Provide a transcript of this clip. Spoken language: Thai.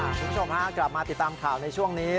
คุณผู้ชมฮะกลับมาติดตามข่าวในช่วงนี้